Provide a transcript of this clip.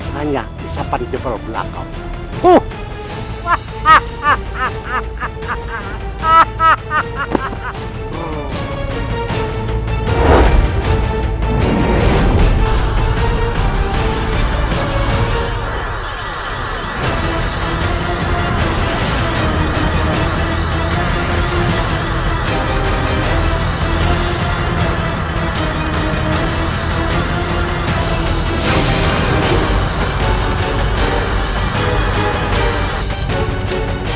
hanya bisa panjabal belakang